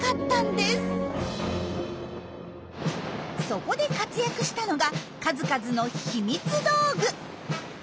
そこで活躍したのが数々の秘密道具。